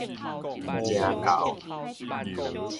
毋成猴